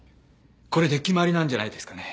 これで決まりなんじゃないですかね。